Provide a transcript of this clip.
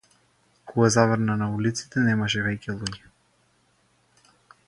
Кога заврна на улиците немаше веќе луѓе.